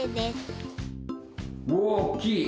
大きい！